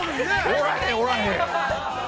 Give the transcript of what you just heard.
◆おらへん、おらへん。